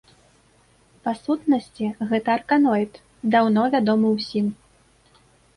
Па сутнасці гэта арканоід, даўно вядомы ўсім.